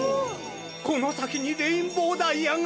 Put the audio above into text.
このさきにレインボーダイヤが。